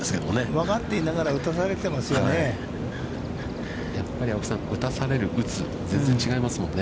分かっていながら、打たされていますもんね。